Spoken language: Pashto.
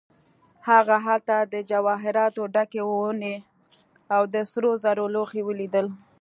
هغه هلته د جواهراتو ډکې ونې او د سرو زرو لوښي ولیدل.